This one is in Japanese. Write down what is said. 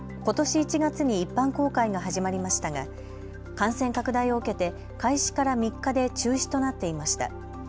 ことし１月に一般公開が始まりましたが感染拡大を受けて開始から３日で中止となっていました。